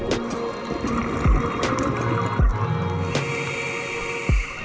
orka mengaktifkan anggota pelindung sepuluh gender kecil di jepang